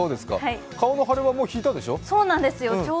顔の腫れはもう引いたんでしょう？